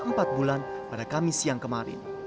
empat bulan pada kamis siang kemarin